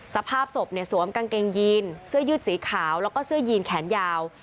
สภาพศพเนี่ยสวมกางเกงยีนเสื้อยืดสีขาวแล้วก็เสื้อยีนแขนยาว